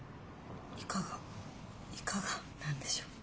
いかがいかがなんでしょうどう？